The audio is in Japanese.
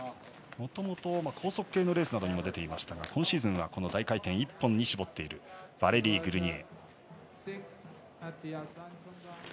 もともと高速系のレースにも出ていましたが今シーズンは大回転１本に絞っているバレリー・グルニエ。